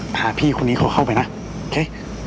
พาพี่คนนี้เขาเข้าไปนะเอ๊ะ